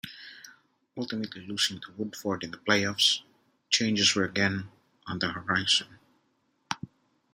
Ultimately losing to Woodford in the play-offs, changes were again, on the horizon.